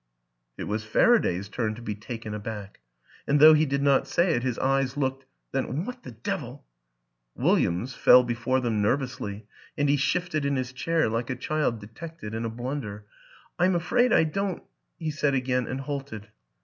It was Faraday's turn to be taken aback, and, though he did not say it, his eyes looked, " Then what the devil ?" William's fell before them nervously, and he shifted in his chair like a child detected in a blunder. " I'm afraid I don't " he said again and halted.